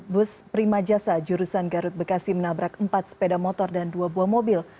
bus prima jasa jurusan garut bekasi menabrak empat sepeda motor dan dua buah mobil